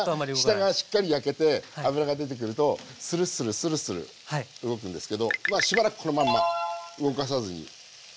下がしっかり焼けて脂が出てくるとスルスルスルスル動くんですけどしばらくこのまんま動かさずにじっと焼きつけていきます。